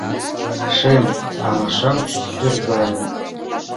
Шем алашат пӧрдале